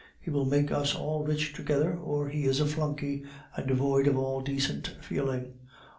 He will make us all rich together, or he is a flunkey, and devoid of all decent feeling."